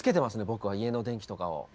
僕は家の電気とかを。